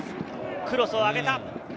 クロスを上げた。